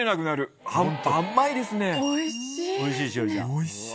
おいしい。